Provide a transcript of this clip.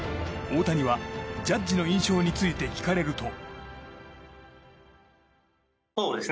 大谷は、ジャッジの印象について聞かれると。